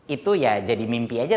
itu ya jadi mimpi aja